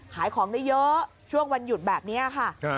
ขายของได้เยอะช่วงวันหยุดแบบนี้ค่ะ